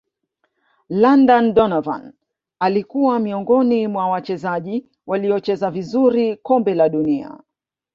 london donovan alikwa miongoni mwa wachezaji waliocheza vizuri kombe la dunia